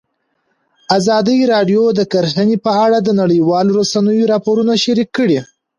ازادي راډیو د کرهنه په اړه د نړیوالو رسنیو راپورونه شریک کړي.